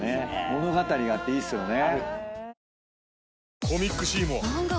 物語があっていいっすよね。